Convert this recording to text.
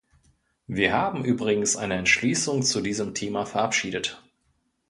Wir haben übrigens eine Entschließung zu diesem Thema verabschiedet.